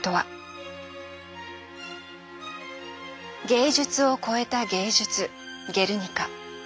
芸術を超えた芸術「ゲルニカ」。